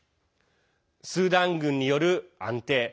スーダン軍による安定